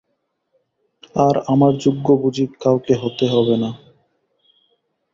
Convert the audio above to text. আর, আমার যোগ্য বুঝি কাউকে হতে হবে না!